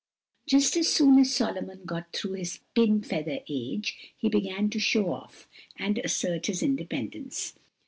Just as soon as Solomon got through his pin feather age, he began to show off and assert his independence.